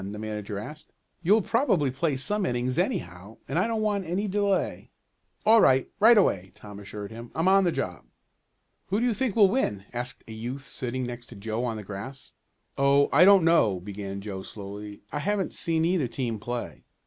the manager asked. "You'll probably play some innings anyhow, and I don't want any delay." "All right right away," Tom assured him. "I'm on the job." "Who do you think will win?" asked a youth sitting next to Joe on the grass. "Oh, I don't know," began Joe slowly. "I haven't seen either team play."